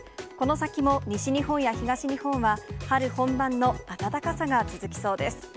この先も西日本や東日本は、春本番の暖かさが続きそうです。